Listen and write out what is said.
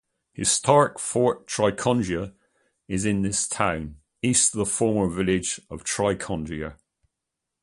Historic Fort Ticonderoga is in this town, east of the former village of Ticonderoga.